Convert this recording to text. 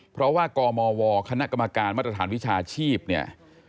เพราะว่ากมวคณะกรรมการมาตรฐานวิชาชีพเนี่ย